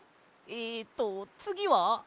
えとつぎは。